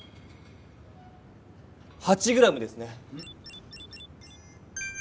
８ｇですね。